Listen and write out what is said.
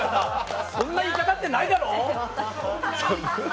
そんな言い方ってないだろ！